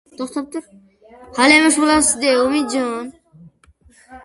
She was the first female president of any utility company in the world.